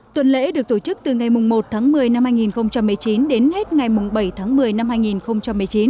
tuần lễ được tổ chức từ ngày một tháng một mươi năm hai nghìn một mươi chín đến hết ngày bảy tháng một mươi năm hai nghìn một mươi chín